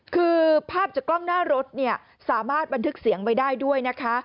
คือภาพจากกล้องหน้ารถเนี่ยสามารถบันทึกเสียงไว้ได้ด้วยนะคะ